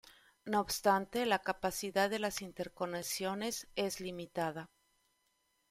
No obstante, la capacidad de las interconexiones es limitada.